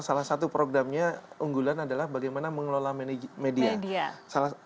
salah satu programnya unggulan adalah bagaimana mengelola media